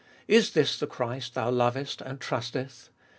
Is this the Christ thou louest and trusteth